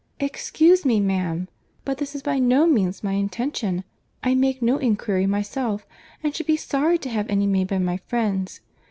"Excuse me, ma'am, but this is by no means my intention; I make no inquiry myself, and should be sorry to have any made by my friends.